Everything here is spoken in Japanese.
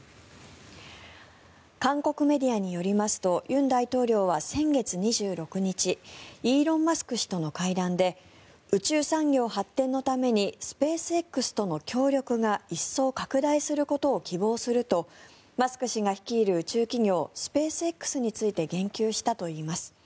韓国メディアによりますと尹大統領は先月２６日イーロン・マスク氏との会談で宇宙産業発展のためにスペースＸとの協力が一層拡大することを希望するとマスク氏が率いる宇宙企業スペースＸについて言及したといいます。